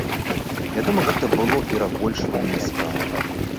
Вядома, гэта было перабольшванне справы.